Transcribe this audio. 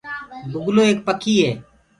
بُگلو ايڪ پکي هي۔